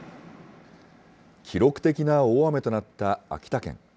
記録的な大雨となった秋田県。